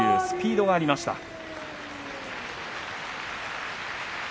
スピードがありました。